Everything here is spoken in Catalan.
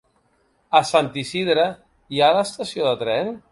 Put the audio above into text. A Sant Isidre hi ha estació de tren?